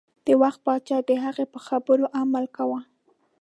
د وخت پاچا د هغې په خبرو عمل کاوه.